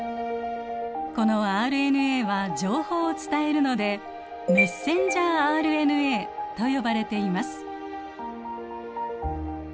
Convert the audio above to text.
このＲＮＡは情報を伝えるので「メッセンジャーＲＮＡ」と呼ばれています。